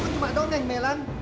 cuma dongeng mellan